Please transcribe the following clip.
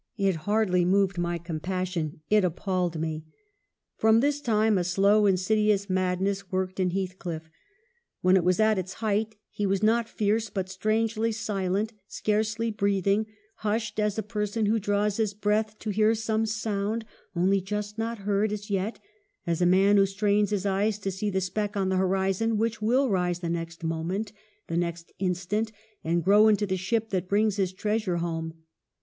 It hardly moved my compassion, it appalled me." From this time a slow, insidious madness worked in Heathcliff. When it was at its height he was not fierce, but strangely silent, scarcely breathing ; hushed, as a person who draws his breath to hear some sound only just not heard as yet, as a man who strains his eyes to see the speck on the horizon which will rise the next moment, the next instant, and grow into the ship that brings his treasure home.